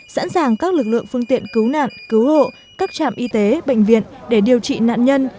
sẵn sàng các lực lượng phương tiện cứu nạn cứu hộ các trạm y tế bệnh viện để điều trị nạn nhân